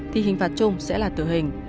thì hình phạt chung sẽ là tử hình